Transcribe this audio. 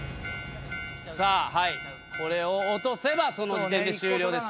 さあはいこれを落とせばその時点で終了です